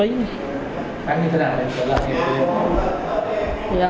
bán như thế nào để trở lại